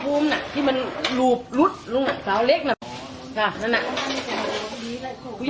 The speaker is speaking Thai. บอกยังไงน่ะเสียงมันริ้วพวกริ้วเสร็จพี่วันโอ้ย